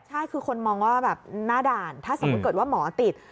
ใช่คือคนมองว่าแบบหน้าด่านถ้าสมมุติเกิดว่าหมอติด